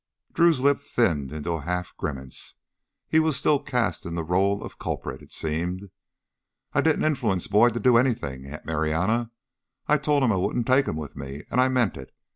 Drew's lips thinned into a half grimace. He was still cast in the role of culprit, it seemed. "I didn't influence Boyd to do anything, Aunt Marianna. I told him I wouldn't take him with me, and I meant it.